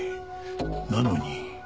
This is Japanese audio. なのに。